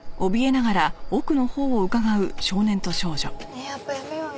ねえやっぱやめようよ。